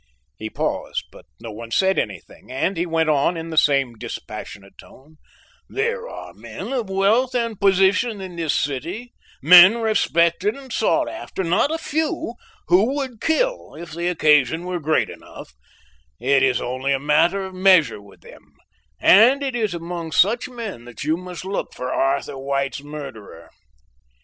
He paused, but no one said anything and he went on in the same dispassionate tone: "There are men of wealth and position in this city, men respected and sought after, not a few, who would kill if the occasion were great enough; it is only a matter of measure with them; and it is among such men you must look for Arthur White's murderer."